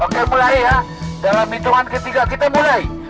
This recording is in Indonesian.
oke mulai ya dalam hitungan ketiga kita mulai